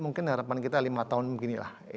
mungkin harapan kita lima tahun beginilah